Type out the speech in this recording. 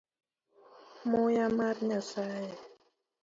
Muya mar nyasaye.